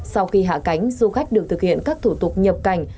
sau khi hạ cánh du khách được thực hiện các thủ tục nhập cảnh